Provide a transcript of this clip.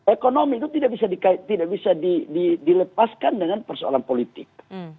ekonomi itu tidak bisa dilepaskan dengan persoalan politik